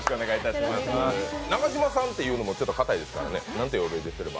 中嶋さんっていうのもちょっとかたいですからね、なんとお呼びすれば？